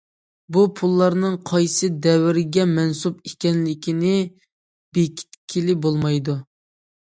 بۇ پۇللارنىڭ قايسى دەۋرگە مەنسۇپ ئىكەنلىكىنى بېكىتكىلى بولمايدۇ.